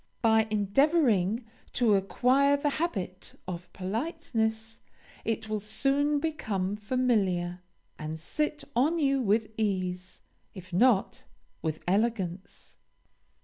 By endeavoring to acquire the habit of politeness, it will soon become familiar, and sit on you with ease, if not with elegance.